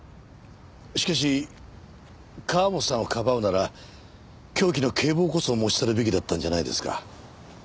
しかし河元さんをかばうなら凶器の警棒こそ持ち去るべきだったんじゃないですか？